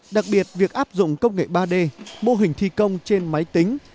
đặc biệt việc áp dụng công nghệ ba d mô hình thi công trên máy tính